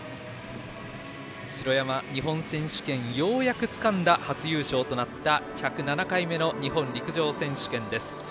城山、日本選手権ようやくつかんだ初優勝となった１０７回目の日本陸上選手権です。